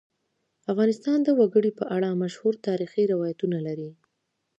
افغانستان د وګړي په اړه مشهور تاریخی روایتونه لري.